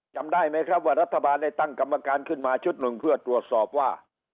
จำได้ไหมครับว่ารัฐบาลได้ตั้งกรรมการขึ้นมาชุดหนึ่งเพื่อตรวจสอบว่า